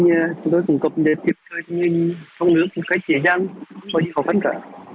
có nhiều học hắn cả